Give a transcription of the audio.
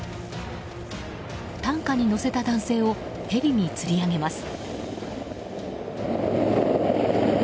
担架に乗せた男性をヘリにつり上げます。